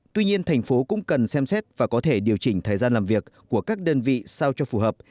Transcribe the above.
tuy nhiên thành phố cũng cần xem xét và có thể điều chỉnh thời gian làm việc của các đơn vị sao cho phù hợp